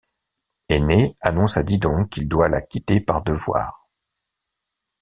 Énée annonce à Didon qu'il doit la quitter par devoir.